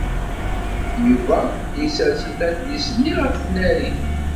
Yuba yessers adlis-nni ɣef tnarit.